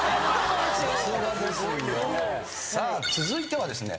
さあ続いてはですね